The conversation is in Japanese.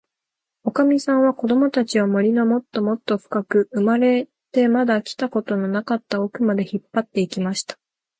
おかみさんは、こどもたちを、森のもっともっとふかく、生まれてまだ来たことのなかったおくまで、引っぱって行きました。